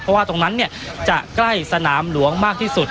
เพราะว่าตรงนั้นจะใกล้สนามหลวงมากที่สุด